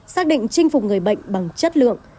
xác định chinh phục người bệnh bằng chất lượng